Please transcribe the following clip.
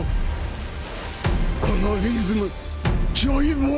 このリズムジョイボーイ